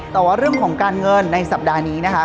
แต่ว่าเรื่องของการเงินในสัปดาห์นี้นะคะ